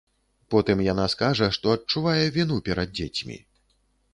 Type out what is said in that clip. Потым яна скажа, што адчувае віну перад дзецьмі.